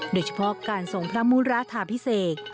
โดยเฉพาะการทรงพระมุราธาพิเศษ